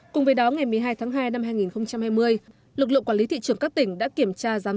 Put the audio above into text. cùng với đó ngày một mươi hai tháng hai năm hai nghìn hai mươi lực lượng quản lý thị trường các tỉnh đã kiểm tra giám